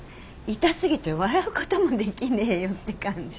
痛過ぎて笑うこともできねえよって感じで。